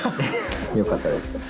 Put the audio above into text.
よかったです。